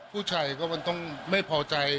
ผู้ชายก็มันต้องไม่พอใจ